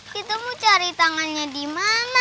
kita mau cari tangannya di mana